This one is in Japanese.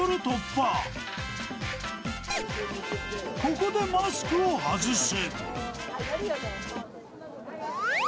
［ここでマスクを外す］